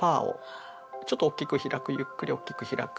ちょっとおっきく開くゆっくりおっきく開く。